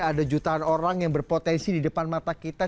ada jutaan orang yang berpotensi di depan mata kita